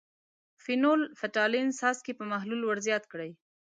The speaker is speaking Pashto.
فینول – فتالین څاڅکي په محلول ور زیات کړئ.